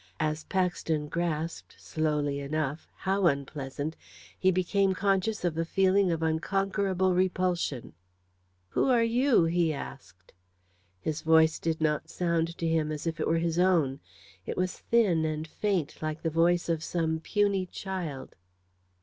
As Paxton grasped, slowly enough, how unpleasant, he became conscious of a feeling of unconquerable repulsion. "Who are you?" he asked. His voice did not sound to him as if it were his own. It was thin, and faint like the voice of some puny child.